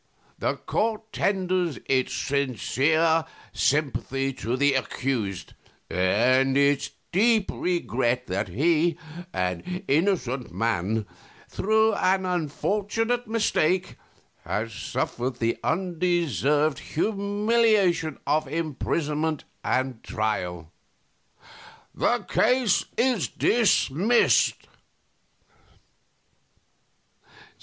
The court tenders its sincere sympathy to the accused, and its deep regret that he, an innocent man, through an unfortunate mistake, has suffered the undeserved humiliation of imprisonment and trial. The case is dismissed."